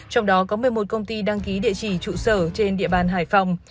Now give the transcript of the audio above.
trong đó có một mươi một công ty đăng ký địa chỉ trụ sở trên địa bàn hải phòng